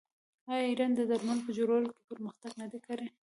آیا ایران د درملو په جوړولو کې پرمختګ نه دی کړی؟